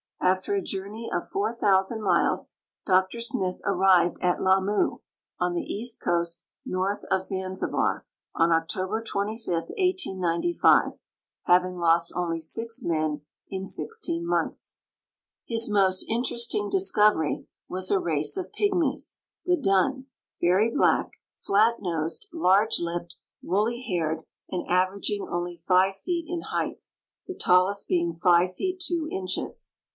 After a jour ney of 4,000 miles. Dr Smith arrived at Lamu, on the ea.st coast, north of Zanzibar, on October 25, 1895, having lost only six men in sixteen months. His most interesting discovery was a race of pigmies, the Dunne, very black, flat nosed, large lipped, woolly haired, and averaging only five feet in height, the tallest being 5 feet 2 inches.